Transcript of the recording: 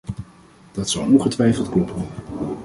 Dat zal ongetwijfeld kloppen.